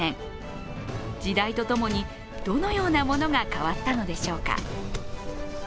時代とともにどのようなものが変わったのでしょうか。